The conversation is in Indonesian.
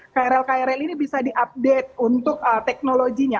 krl krl ini bisa diupdate untuk teknologinya